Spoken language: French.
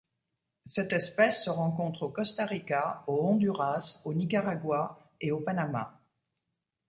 Cette espèce se rencontre au Costa Rica, au Honduras, au Nicaragua et au Panama.